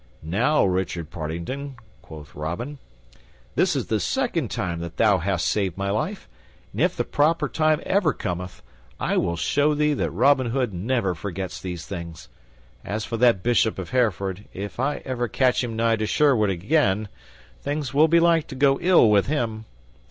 "Now, Richard Partington," quoth Robin, "this is the second time that thou hast saved my life, and if the proper time ever cometh I will show thee that Robin Hood never forgets these things. As for that Bishop of Hereford, if I ever catch him nigh to Sherwood again, things will be like to go ill with him.